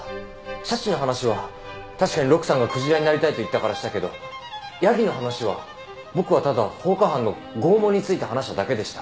シャチの話は確かに陸さんが鯨になりたいと言ったからしたけどヤギの話は僕はただ放火犯の拷問について話しただけでした。